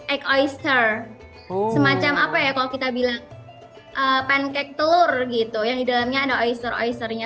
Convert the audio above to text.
eg oyster semacam apa ya kalau kita bilang pancake telur gitu yang di dalamnya ada oister oycernya